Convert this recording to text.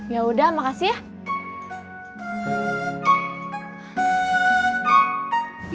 yaudah makasih ya